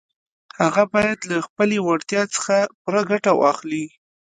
هغه بايد له خپلې وړتيا څخه پوره ګټه واخلي.